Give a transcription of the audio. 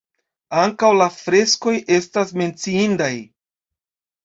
Ankaŭ la freskoj estas menciindaj.